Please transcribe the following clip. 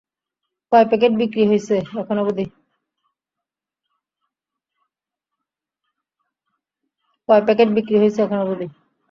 কয় প্যাকেট বিক্রি হইছে, এখন অবধি?